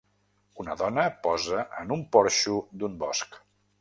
Una dona posa en un porxo d'un bosc.